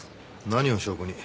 何を証拠に？